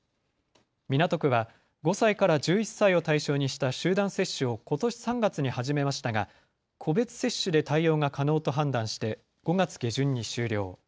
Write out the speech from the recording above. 港区は５歳から１１歳を対象にした集団接種をことし３月に始めましたが個別接種で対応が可能と判断して５月下旬に終了。